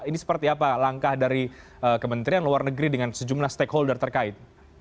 ini seperti apa langkah dari kementerian luar negeri dengan sejumlah stakeholder terkait